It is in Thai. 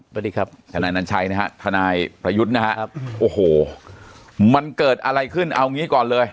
สวัสดีครับทนายนัญชัยนะฮะทนายประยุทธ์นะครับโอ้โหมันเกิดอะไรขึ้นเอางี้ก่อนเลย